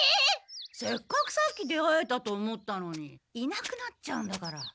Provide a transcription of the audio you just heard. せっかくさっき出会えたと思ったのにいなくなっちゃうんだから。